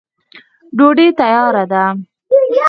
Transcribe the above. ډوډۍ تیاره ده.